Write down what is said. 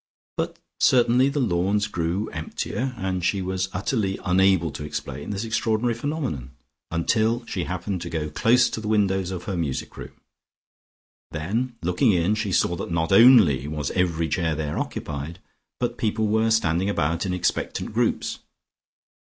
But certainly the lawns grew emptier, and she was utterly unable to explain this extraordinary phenomenon, until she happened to go close to the windows of her music room. Then, looking in, she saw that not only was every chair there occupied, but people were standing about in expectant groups.